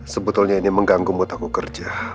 sebetulnya ini mengganggu mutta ku kerja